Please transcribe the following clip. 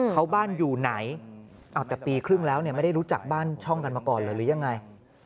เขาบ้านอยู่ไหนแต่ปีครึ่งแล้วไม่ได้รู้จักบ้านช่องกันมาก่อนเลยหรือยังไง